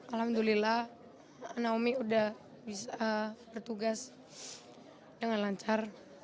alhamdulillah naomi sudah bisa bertugas dengan lancar